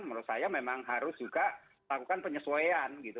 menurut saya memang harus juga lakukan penyesuaian gitu